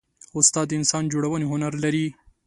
استاد د انسان جوړونې هنر لري.